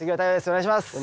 お願いします。